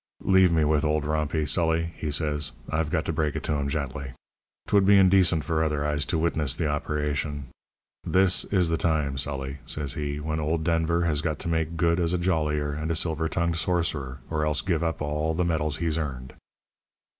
"'Leave me with old Rompey, Sully,' he says. 'I've got to break it to him gently. 'Twould be indecent for other eyes to witness the operation. This is the time, Sully,' says he, 'when old Denver has got to make good as a jollier and a silver tongued sorcerer, or else give up all the medals he's earned.'